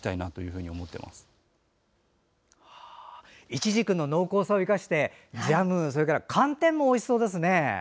いちじくの濃厚さを生かしてジャム、寒天もおいしそうですね。